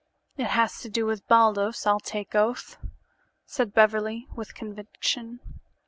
"It has to do with Baldos, I'll take oath," said Beverly, with conviction.